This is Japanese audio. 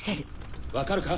分かるか？